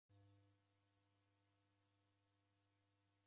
Kukabe ngolo pasi